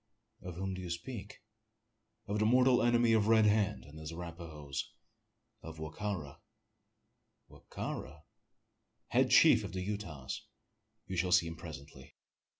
"Of whom do you speak?" "Of the mortal enemy of Red Hand and his Arapahoes of Wa ka ra." "Wa ka ra?" "Head chief of the Utahs you shall see him presently.